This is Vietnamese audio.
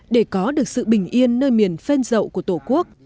để có được sự bình yên nơi miền phên rậu của tổ quốc